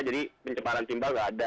jadi penyebaran timbal tidak ada